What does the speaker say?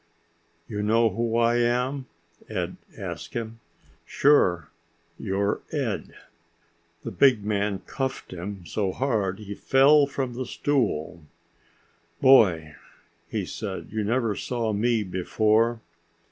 "You know who I am?" Ed asked him. "Sure," Johnny said. "You're Ed." The big man cuffed him so hard he fell from the stool. "Boy," he said, "you never saw me before."